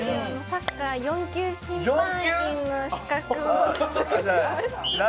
サッカー４級審判員の資格を取得しました。